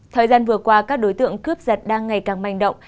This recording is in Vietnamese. thời gian vừa qua các đối tượng cướp giật đang ngày càng manh động